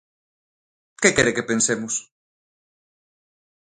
¿Que quere que pensemos?